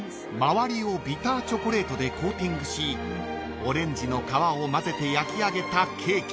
［周りをビターチョコレートでコーティングしオレンジの皮を混ぜて焼き上げたケーキだそうです］